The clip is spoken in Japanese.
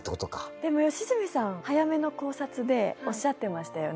でも吉住さん早めの考察でおっしゃってましたよね。